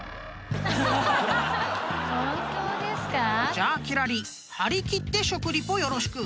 ［じゃあ輝星張り切って食リポよろしく！］